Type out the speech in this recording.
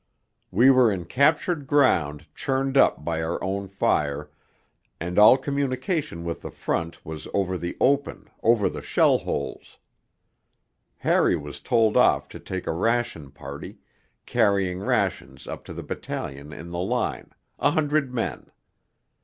We were in captured ground churned up by our own fire, and all communication with the front was over the open, over the shell holes. Harry was told off to take a ration party, carrying rations up to the battalion in the line, a hundred men.